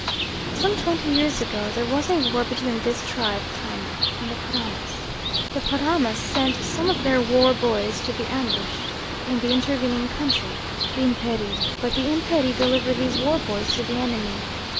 "Some twenty years ago there was a war between this tribe Taima and the Paramas. The Paramas sent some of their war boys to be ambushed in the intervening country, the Imperi, but the Imperi delivered these war boys to the enemy.